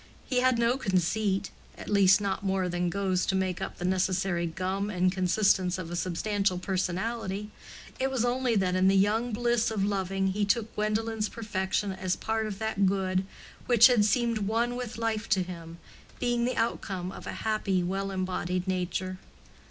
He had no conceit—at least not more than goes to make up the necessary gum and consistence of a substantial personality: it was only that in the young bliss of loving he took Gwendolen's perfection as part of that good which had seemed one with life to him, being the outcome of a happy, well embodied nature.